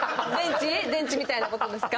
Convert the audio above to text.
電池みたいな事ですか？